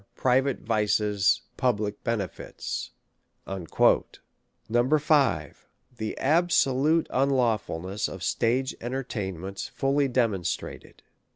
Private Vices Public Benefits." 8vo. 5. Tlie absolute Unlawfulness of Stage Entertain ments fully Demonstrated.